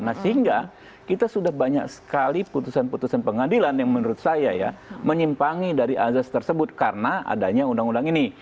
nah sehingga kita sudah banyak sekali putusan putusan pengadilan yang menurut saya ya menyimpangi dari azas tersebut karena adanya undang undang ini